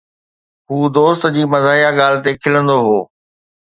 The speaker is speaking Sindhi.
هو دوست جي مزاحيه ڳالهه تي کلندو هو